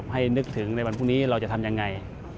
นึกถึงในวันพรุ่งนี้เราจะทำยังไง